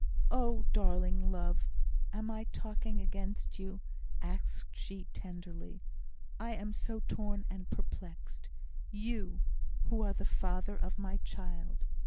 Oh, darling love! am I talking against you?" asked she, tenderly. "I am so torn and perplexed! You, who are the father of my child!"